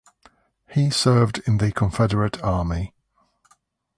He served in the Confederate Army.